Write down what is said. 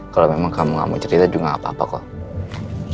kalau kamu memang gak mau cerita juga apa apa kok